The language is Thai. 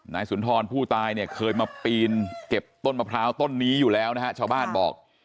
สุนทรผู้ตายเนี่ยเคยมาปีนเก็บต้นมะพร้าวต้นนี้อยู่แล้วนะฮะชาวบ้านบอก